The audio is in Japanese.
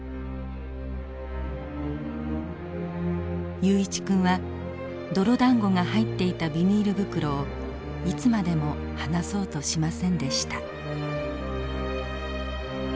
雄一君は泥だんごが入っていたビニール袋をいつまでも離そうとしませんでした。